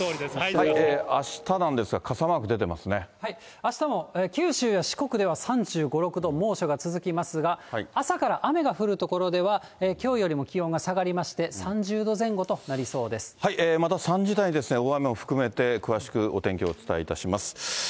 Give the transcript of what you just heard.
あしたなんですが、あしたも九州や四国では３５、６度、猛暑が続きますが、朝から雨が降る所では、きょうよりも気温が下がりまして、また３時台、大雨を含めて詳しくお天気をお伝えします。